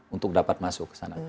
untuk dapat masuk ke sana